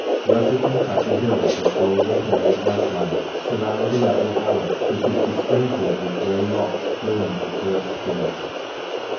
Russet and craggy hills, of bold and varied outline, surround the level valley which is besprinkled with grey rocks plumed with birch trees.